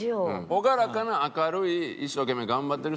朗らかな明るい一生懸命頑張ってる人が好き。